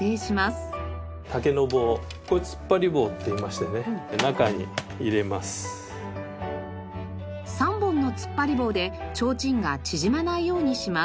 ３本の突っ張り棒で提灯が縮まないようにします。